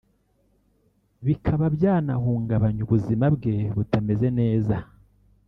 bikaba byanahungabanya ubuzima bwe butameze neza